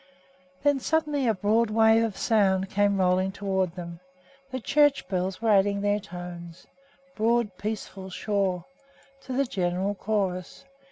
Then suddenly a broad wave of sound came rolling toward them. The church bells were adding their tones broad, peaceful, sure to the general chorus.